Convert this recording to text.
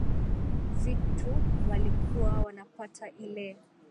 vitu walikuwa wanapata ilee